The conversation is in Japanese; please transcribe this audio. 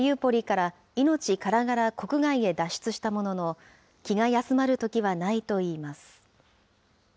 マリウポリから命からがら国外へ脱出したものの、気が休まるときはないといいます。